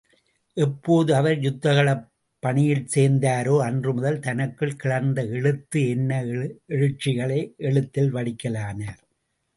எப்போது அவர் யுத்தகளப் பணியில் சேர்ந்தாரோ, அன்று முதல் தனக்குள் கிளர்ந்து எழுந்த எண்ண எழுச்சிகளை எழுத்தில் வடிக்கலானார்.